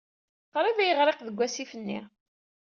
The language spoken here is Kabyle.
Qrib ay yeɣriq deg wasif-nni.